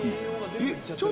えっ？